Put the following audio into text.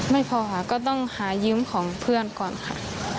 ไม่พอค่ะก็ต้องหายืมของเพื่อนก่อนค่ะ